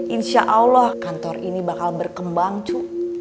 insyaallah kantor ini bakal berkembang cu